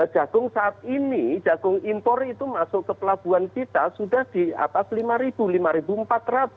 jagung saat ini jagung impor itu masuk ke pelabuhan kita sudah di atas rp lima rp lima empat ratus